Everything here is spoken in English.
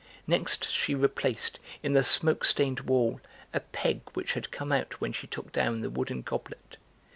Next she replaced, in the smoke stained wall, a peg which had come out when she took down the wooden goblet.